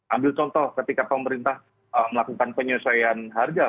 ambil contoh ketika pemerintah melakukan penyesuaian harga